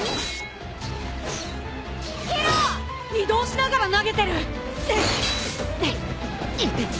移動しながら投げてる！